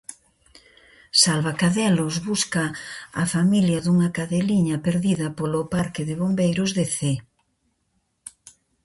Salvacadelos busca a familia dunha cadeliña perdida polo parque de bombeiros de Cee.